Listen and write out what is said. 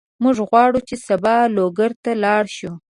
موږ غواړو چې سبا لوګر ته لاړ شو.